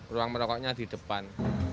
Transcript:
ruang merokoknya di depan